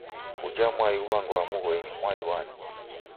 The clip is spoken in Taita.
Uja mwai uw'angwaa Mghoi ni mwai wani?